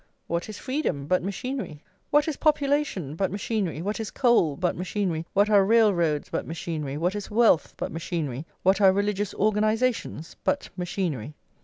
What is freedom but machinery? what is population but machinery? what is coal but machinery? what are railroads but machinery? what is wealth but machinery? what are religious organisations but machinery?